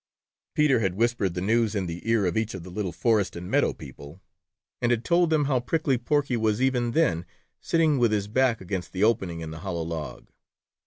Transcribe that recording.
Peter had whispered the news in the ear of each of the little forest and meadow people and had told them how Prickly Porky was even then sitting with his back against the opening in the hollow log.